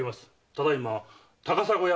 ただいま高砂屋